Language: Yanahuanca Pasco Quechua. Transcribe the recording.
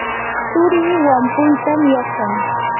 turii wampuytam yachan.